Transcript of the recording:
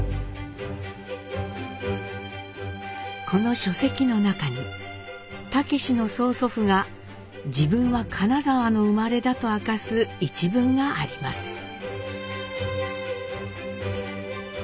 この書籍の中に武司の曽祖父が「自分は金沢の生まれ」だと明かす一文があります。